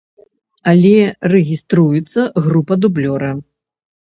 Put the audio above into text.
Але рэгіструецца група дублёра.